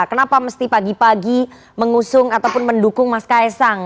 kenapa mesti pagi pagi mengusung ataupun mendukung mas kaisang